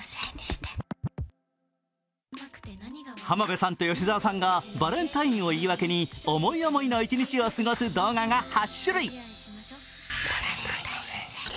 浜辺さんと吉沢さんがバレンタインを言い訳に思い思いの一日を過ごす動画が８種類。